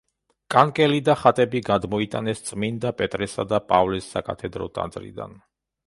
კანკელი და ხატები გადმოიტანეს წმინდა პეტრესა და პავლეს საკათედრო ტაძრიდან.